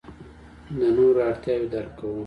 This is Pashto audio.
د نورو اړتیاوې درک کوو.